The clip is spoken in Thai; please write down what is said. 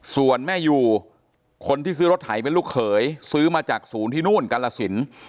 ส่วนแม่อยู่คนที่ซื้อรถไถเป็นลูกเขยซื้อมาจากศูนย์ที่นู่นกาลสิน